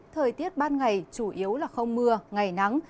thời tiết ban ngày chủ yếu là không mưa ngày nắng